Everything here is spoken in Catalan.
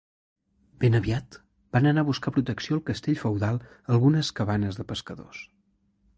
Ben aviat van anar a buscar protecció al castell feudal algunes cabanes de pescadors.